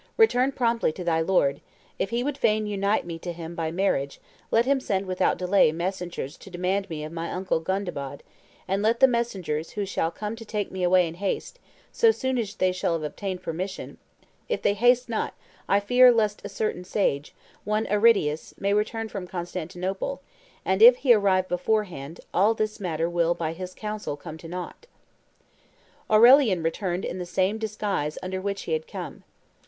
Return promptly to thy lord; if he would fain unite me to him by marriage, let him send without delay messengers to demand me of my uncle Gondebaud, and let the messengers who shall come take me away in haste, so soon as they shall have obtained permission; if they haste not, I fear lest a certain sage, one Aridius, may return from Constantinople, and if he arrive beforehand, all this matter will by his counsel come to nought.' Aurelian returned in the same disguise under which he had come.